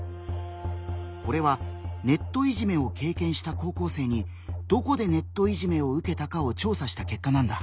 これはネットいじめを経験した高校生に「どこでネットいじめを受けたか」を調査した結果なんだ。